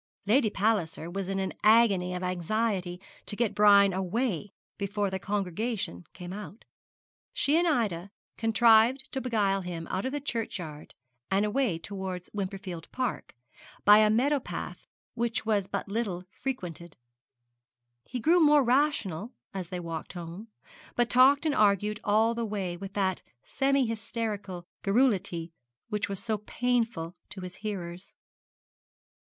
Lady Palliser was in an agony of anxiety to get Brian away before the congregation came out. She and Ida contrived to beguile him out of the churchyard and away towards Wimperfield Park by a meadow path which was but little frequented. He grew more rational as they walked home, but talked and argued all the way with that semi hysterical garrulity which was so painful to his hearers.